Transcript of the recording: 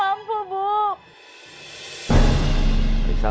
bapak bu linda ini